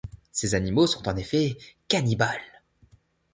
Ces animaux sont en effet cannibales.